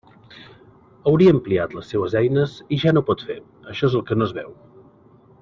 Hauria ampliat les seues eines i ja no ho pot fer, això és el que no es veu.